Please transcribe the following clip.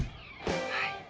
はい。